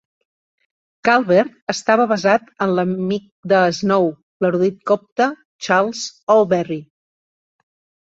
Calvert estava basat en l'amic de Snow, l'erudit copte, Charles Allberry.